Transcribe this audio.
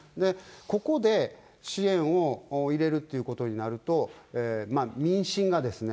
ここで支援を入れるっていうことになると、民心がですね、